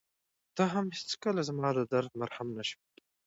ته هم هېڅکله زما د درد مرهم نه شوې.